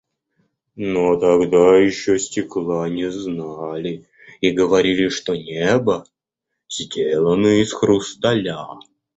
Но тогда еще стекла не знали и говорили, что небо сделано из хрусталя.